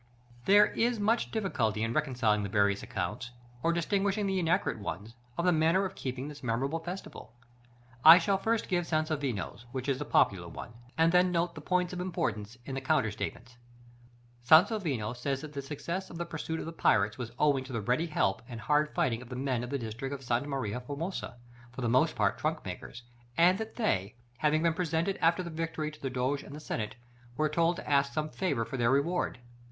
§ X. There is much difficulty in reconciling the various accounts, or distinguishing the inaccurate ones, of the manner of keeping this memorable festival. I shall first give Sansovino's, which is the popular one, and then note the points of importance in the counter statements. Sansovino says that the success of the pursuit of the pirates was owing to the ready help and hard fighting of the men of the district of Sta. Maria Formosa, for the most part trunkmakers; and that they, having been presented after the victory to the Doge and the Senate, were told to ask some favor for their reward.